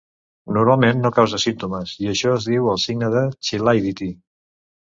Normalment no causa símptomes i això es diu el signe de Chilaiditi.